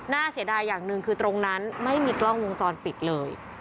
เสียดายอย่างหนึ่งคือตรงนั้นไม่มีกล้องวงจรปิดเลย